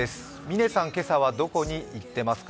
嶺さん、今朝はどこに行っていますか？